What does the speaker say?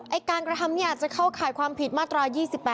การกระทำนี้อาจจะเข้าข่ายความผิดมาตรา๒๘